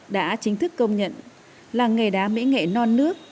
đã chính thức công nhận làng nghề đá mỹ nghệ non nước